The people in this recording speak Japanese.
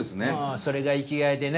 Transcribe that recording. それが生きがいでね